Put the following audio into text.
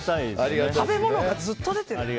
食べ物がずっと出てる。